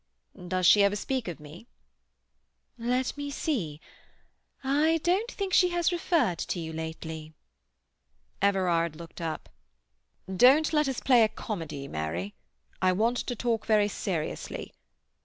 Does she ever speak of me?" "Let me see—I don't think she has referred to you lately." Everard looked up. "Don't let us play a comedy, Mary. I want to talk very seriously.